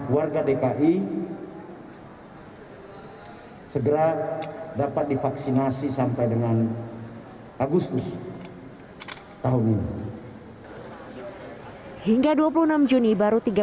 warga dki segera dapat divaksinasi sampai dengan agustus tahun ini hingga dua puluh enam juni baru